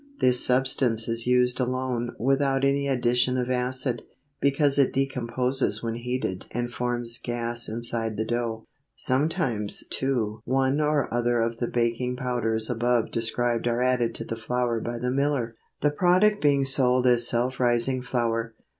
This substance is used alone without any addition of acid, because it decomposes when heated and forms gas inside the dough. Sometimes too one or other of the baking powders above described are added to the flour by the miller, the product being sold as self rising flour.